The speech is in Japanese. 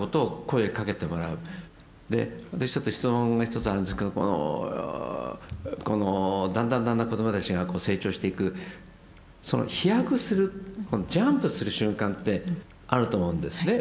で私ちょっと質問が１つあるんですけどこのだんだんだんだん子どもたちがこう成長していくその飛躍するジャンプする瞬間ってあると思うんですね。